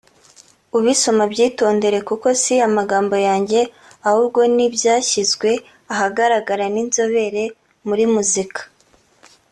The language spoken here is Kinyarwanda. ubisoma abyitondere kuko si amagambo yanjye ahubwo n’ibyashyizwe ahagaragara n’inzobere muri muzika